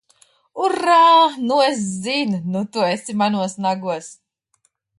Urā! Nu es zinu! Nu tu esi manos nagos!